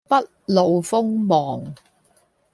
不露鋒芒